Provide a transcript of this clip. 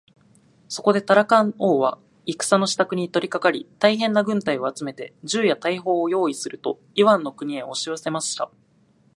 そこでタラカン王は戦のしたくに取りかかり、大へんな軍隊を集めて、銃や大砲をよういすると、イワンの国へおしよせました。